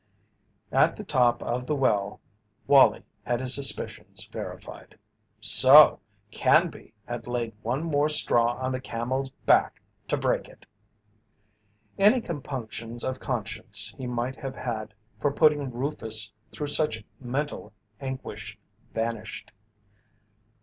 At the top of the well Wallie had his suspicions verified. So Canby had laid one more straw on the camel's back to break it! Any compunctions of conscience he might have had for putting Rufus through such mental anguish vanished.